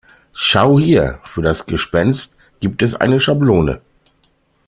Schau hier, für das Gespenst gibt es eine Schablone.